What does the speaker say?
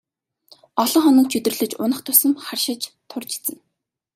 Олон хоног чөдөрлөж унах тусам харшиж турж эцнэ.